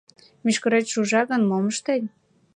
- Мӱшкырет шужа гын, мом ыштет?